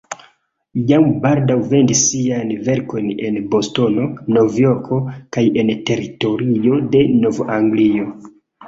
Jam baldaŭ vendis siajn verkojn en Bostono, Nov-Jorko kaj en teritorio de Nov-Anglio.